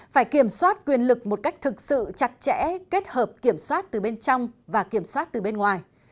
phải kiểm soát quyền lực một cách thực sự chặt chẽ kết hợp kiểm soát từ bên trong và kiểm soát từ bên ngoài